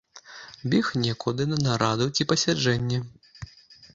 Бег некуды на нараду ці пасяджэнне.